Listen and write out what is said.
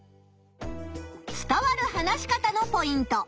伝わる話し方のポイント。